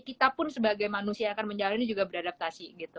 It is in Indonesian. kita pun sebagai manusia yang akan menjalani ini juga beradaptasi gitu